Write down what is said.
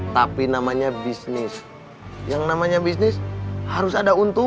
terima kasih pak